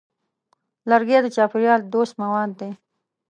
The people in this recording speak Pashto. لرګی د چاپېریال دوست مواد دی.